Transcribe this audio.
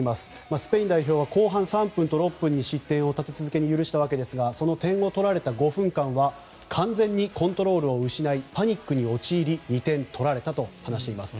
スペイン代表は後半３分を６分に失点を取られ続けたわけですがその点を取られた５分間は完全にコントロールを失いパニックに陥り２点取られたと話しています。